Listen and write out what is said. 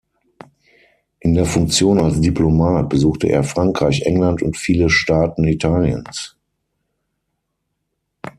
In der Funktion als Diplomat besuchte er Frankreich, England und viele Staaten Italiens.